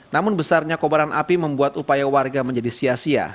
namun besarnya kobaran api membuat upaya warga menjadi sia sia